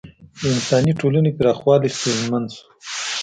د انساني ټولنې پراخوالی ستونزمن شو.